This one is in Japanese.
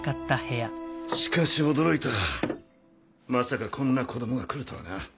しかし驚いたまさかこんな子供が来るとはな。